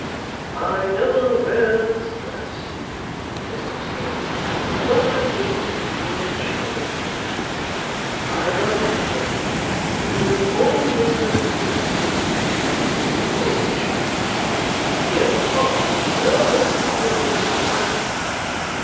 'I never wear this dress,' said honest Gabriel, 'but I think of poor Joe Willet. I loved Joe; he was always a favourite of mine. Poor Joe! Dear heart, my girl, don't tie me in so tight.